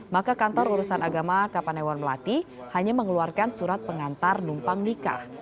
maka kantor urusan agama kapanewon melati hanya mengeluarkan surat pengantar numpang nikah